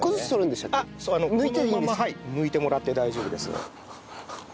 抜いてもらって大丈夫です。